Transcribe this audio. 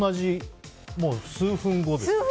数分後に。